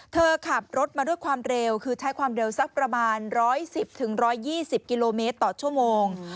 เธอขับรถมาด้วยความเร็วคือใช้ความเร็วสักประมาณ๑๑๐๑๒๐กิโลเมตรต่อชั่วโมง